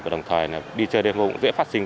đồng thời đi chơi đêm hôm cũng dễ phát sinh